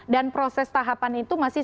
dan proses tahapan itu masih